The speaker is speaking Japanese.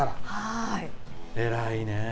えらいね。